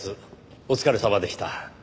お疲れさまでした。